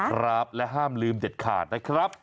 ครับและห้ามลืมเด็ดขาดนะครับ